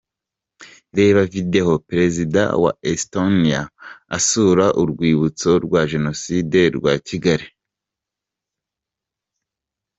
Reba Video Perezida wa Estonia asura Urwibutso rwa Jenoside rwa Kigali.